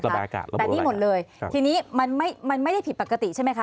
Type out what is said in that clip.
แบบนี้หมดเลยทีนี้มันไม่ได้ผิดปกติใช่ไหมคะ